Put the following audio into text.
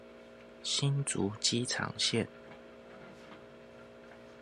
新竹機場線